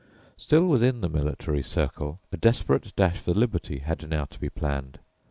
Still within the military circle, a desperate dash for liberty had now to be planned.